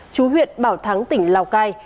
chú huyện bảo thắng tỉnh lào cai